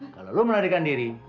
kalau lo melarikan diri